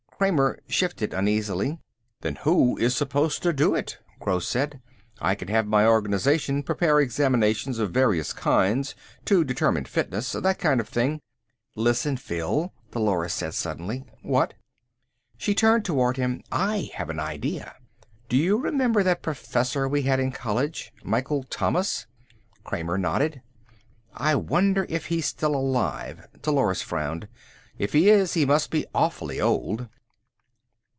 Kramer shifted uneasily. "Then who is supposed to do it?" Gross said. "I can have my organization prepare examinations of various kinds, to determine fitness, that kind of thing " "Listen, Phil," Dolores said suddenly. "What?" She turned toward him. "I have an idea. Do you remember that professor we had in college. Michael Thomas?" Kramer nodded. "I wonder if he's still alive." Dolores frowned. "If he is he must be awfully old."